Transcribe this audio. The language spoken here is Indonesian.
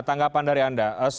tanggapan dari anda